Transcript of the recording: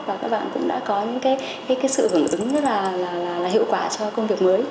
và các bạn cũng đã có những sự hưởng ứng rất là hiệu quả cho công việc mới